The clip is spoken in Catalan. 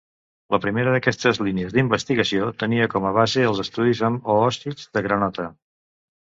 La primera d'aquestes línies d'investigació tenia com a base els estudis amb oòcits de granota.